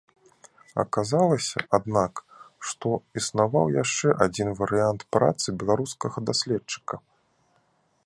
Аказалася, аднак, што існаваў яшчэ адзін варыянт працы беларускага даследчыка.